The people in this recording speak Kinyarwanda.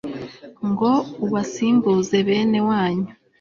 ngo ubasimbuze bene wanyu